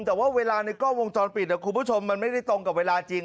แต่ว่าเวลาในกล้องวงจรปิดคุณผู้ชมมันไม่ได้ตรงกับเวลาจริง